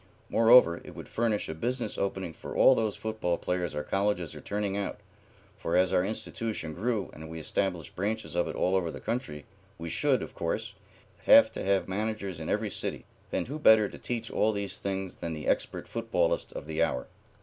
Moreover, it would furnish a business opening for all those football players our colleges are turning out, for, as our institution grew and we established branches of it all over the country, we should, of course, have to have managers in every city, and who better to teach all these things than the expert footballist of the hour?"